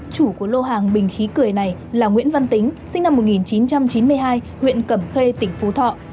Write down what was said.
chủ của lô hàng bình khí cười này là nguyễn văn tính sinh năm một nghìn chín trăm chín mươi hai huyện cẩm khê tỉnh phú thọ